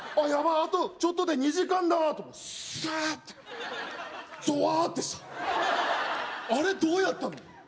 あとちょっとで２時間だと思ったらサーッてぞわってしたあれどうやったの？